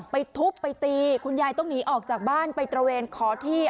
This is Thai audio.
ไปทุบไปตีคุณยายต้องหนีออกจากบ้านไปตระเวนขอที่